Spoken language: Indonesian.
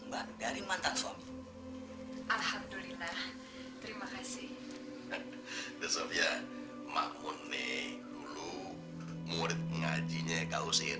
mbak dari mantan suami alhamdulillah terima kasih ya makmuni dulu murid ngajinya kausin